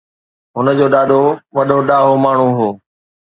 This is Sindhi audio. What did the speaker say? هن جو ڏاڏو وڏو ڏاهو ماڻهو هو